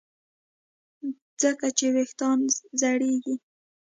څنګه چې ویښتان زړېږي